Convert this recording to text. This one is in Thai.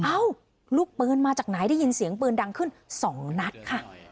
อ้าวลูกเปลือนมาจากไหนได้ยินเสียงเปลือนดังขึ้นสองนัดค่ะ